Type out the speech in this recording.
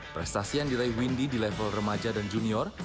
prestasi yang diraih windy di level remaja dan junior